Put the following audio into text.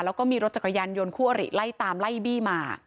แล้วก็มีรถจักรยานยนต์คู่อริไล่ตามไล่บี้มา